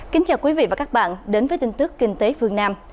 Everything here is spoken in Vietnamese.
kính chào quý vị và các bạn đến với tin tức kinh tế phương nam